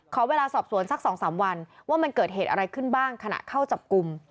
ขอเวลาสอบสวนสัก๒๓วันว่ามันเกิดเหตุอะไรขึ้นบ้างขณะเข้าจับกลุ่ม